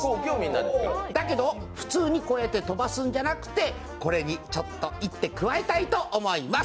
だけど、普通にこうやって飛ばすんじゃなくて、これに一手加えたいと思います。